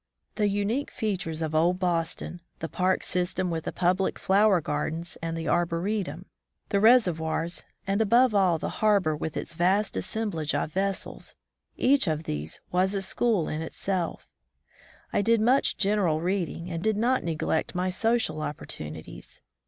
The unique features of old Boston, the park system with the public flower gardens and the Arboretum, 71 From the Deep Woods to Ctvilizaiion the reservoirs, and above all, the harbor with its vast assemblage of vesseb, each of these was a school in itself. I did much general reading, and did not neglect my social oppor tunities.